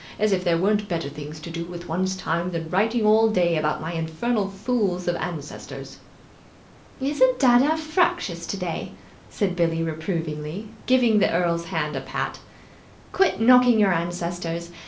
As if there weren't better things to do with one's time than writing all day about my infernal fools of ancestors!" "Isn't dadda fractious today?" said Billie reprovingly, giving the Earl's hand a pat. "Quit knocking your ancestors!